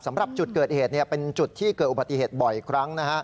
สำหรับจุดเกิดเหตุเป็นจุดที่เกิดอุบัติเหตุบ่อยครั้ง